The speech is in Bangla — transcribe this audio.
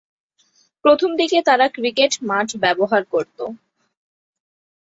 প্রথমদিকে তারা ক্রিকেট মাঠ ব্যবহার করত।